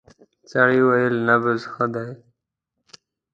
سړی وویل نبض ښه دی.